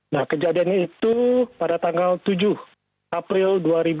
nah kejadian itu pada tanggal tujuh april dua ribu dua puluh